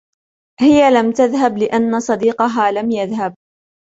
هي لَمْ تذهبْ لأن صديقها لم يذهبْ